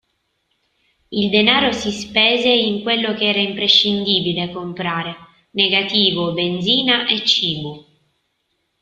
Il denaro si spese in quello che era imprescindibile comprare: negativo, benzina e cibo.